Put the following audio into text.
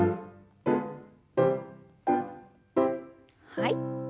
はい。